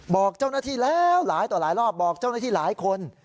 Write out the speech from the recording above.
บอกเจ้าหน้าที่แล้วหลายต่อหลายรอบบอกเจ้าหน้าที่หลายคน